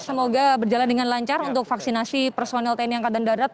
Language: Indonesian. semoga berjalan dengan lancar untuk vaksinasi personil tni angkatan darat